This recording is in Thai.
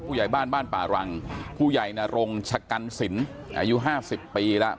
ผู้ใหญ่บ้านบ้านป่ารังผู้ใหญ่นรงชะกันสินอายุ๕๐ปีแล้ว